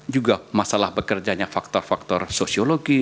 juga masalah bekerjanya faktor faktor sosiologi